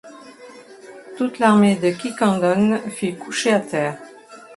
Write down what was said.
Toute l’armée de Quiquendone fut couchée à terre.